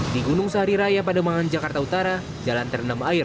di gunung sahari raya pada mangan jakarta utara jalan tergenam air